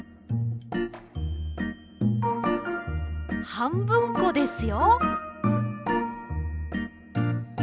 はんぶんこですよ。